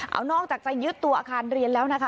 เอานอกจากจะยึดตัวอาคารเรียนแล้วนะคะ